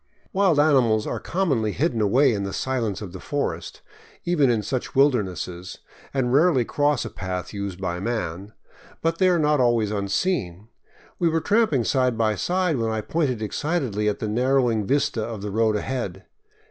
Wild animals are commonly hidden away in the silence of the forest, even in such wildernesses, and rarely cross a path used by man; but they are not always unseen. We were tramping side by side when I pointed excitedly at the narrowing vista of the road ahead.